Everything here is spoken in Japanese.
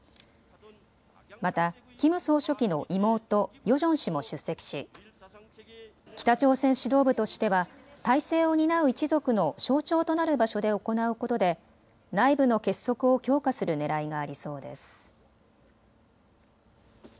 またキム総書記の妹、ヨジョン氏も出席し北朝鮮指導部としては体制を担う一族の象徴となる場所で行うことで内部の結束を強化するねらいがありそうです。